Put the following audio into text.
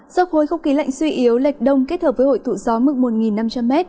do khối khúc kỳ lạnh suy yếu lệch đông kết hợp với hội thụ gió mức một năm trăm linh m